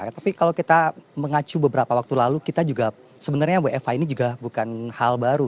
tapi kalau kita mengacu beberapa waktu lalu kita juga sebenarnya wfa ini juga bukan hal baru